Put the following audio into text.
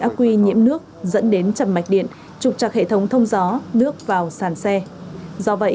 aqui nhiễm nước dẫn đến trầm mạch điện trục trặc hệ thống thông gió nước vào sàn xe do vậy